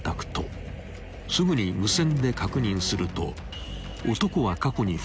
［すぐに無線で確認すると男は過去に］